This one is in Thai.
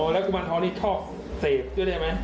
อ๋อแล้วกุมารทองชอบเสพด้วยได้ไหม